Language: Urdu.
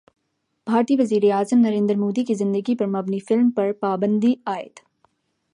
بھارتی وزیراعظم نریندر مودی کی زندگی پر مبنی فلم پر پابندی عائد